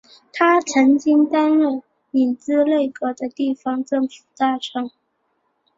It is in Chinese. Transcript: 他曾经担任影子内阁的地方政府大臣。